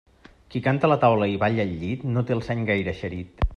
Qui canta a la taula i balla al llit no té el seny gaire eixerit.